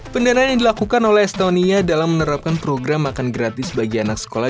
pendanaan yang dilakukan oleh estonia dalam menerapkan program makan gratis bagi anak sekolah